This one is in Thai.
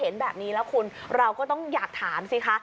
เห็นแบบนี้แล้วคุณเราก็ต้องอยากถามสิคะ